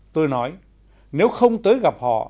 tôi nói nếu không tới gặp họ